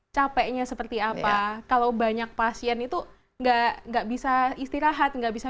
capeknya seperti apa kalau banyak pasien itu enggak enggak bisa istirahat nggak bisa